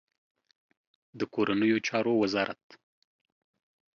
د کورنیو چارو وزارت